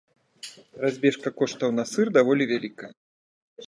Разбежка коштаў на сыр даволі вялікая.